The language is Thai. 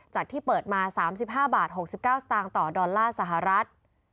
ที่เปิดมา๓๕บาท๖๙สตางค์ต่อดอลลาร์สหรัฐ